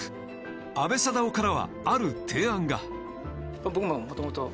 阿部サダヲからはある提案が。